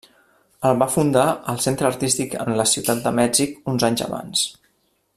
El va fundar el Centre Artístic en la Ciutat de Mèxic uns anys abans.